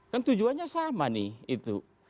kan tujuannya sama nih itu